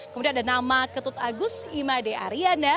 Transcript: kemudian ada nama ketut agus imade ariana